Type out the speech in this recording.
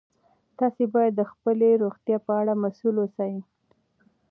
تاسي باید د خپلې روغتیا په اړه مسؤل اوسئ.